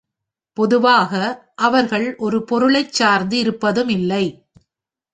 பொதுவாக, அவர்கள் ஒரு பொருளைச் சார்ந்து இருப்பதும் இல்லை.